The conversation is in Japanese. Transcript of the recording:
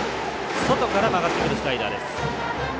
外から曲がってくるスライダーです。